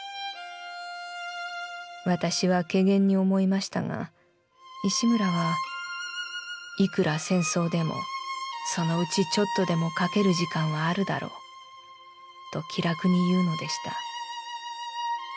私は怪訝に思いましたが石村は『いくら戦争でもそのうち一寸でも描ける時間はあるだろう』と気楽にいうのでした。